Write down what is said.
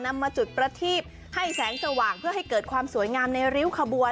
นำมาจุดประทีบให้แสงสว่างเพื่อให้เกิดความสวยงามในริ้วขบวน